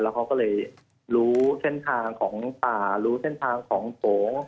เขาก็เลยรู้เส้นทางของป่ารู้เส้นทางของโขง